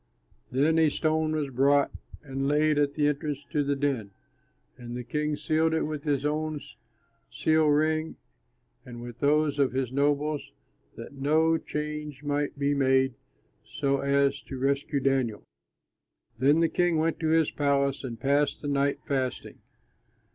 Then a stone was brought and laid at the entrance to the den; and the king sealed it with his own seal ring and with those of his nobles, that no change might be made so as to rescue Daniel. Then the king went to his palace and passed the night fasting.